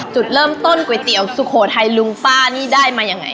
จุดเริ่มต้นก๋วยเตี๋ยวสุโขทัยลุงป้านี่ได้มายังไง